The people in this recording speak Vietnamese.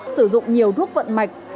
sử dụng nhiều thuốc vận mạch